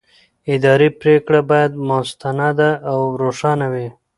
اداري پرېکړه باید مستنده او روښانه وي.